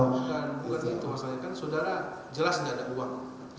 bukan itu masalahnya kan sudara jelas gak ada uang